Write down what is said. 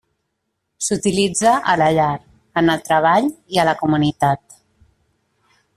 S'utilitza a la llar, en el treball i a la comunitat.